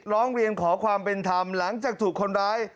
ร้องเรียนขอความเป็นธรรมหลังจากถูกคนร้าย